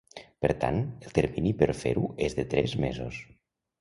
Per tant, el termini per fer-ho és de tres mesos.